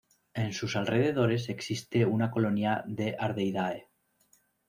En sus alrededores existe una colonia de ardeidae.